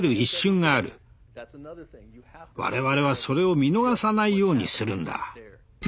我々はそれを見逃さないようにするんだ。